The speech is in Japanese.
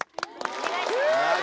お願いします。